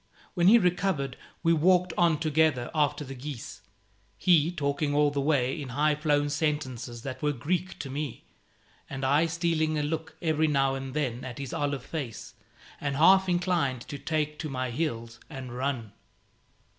When he recovered we walked on together after the geese, he talking all the way in high flown sentences that were Greek to me, and I stealing a look every now and then at his olive face, and half inclined to take to my heels and run.